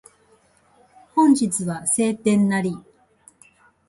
本日は晴天なり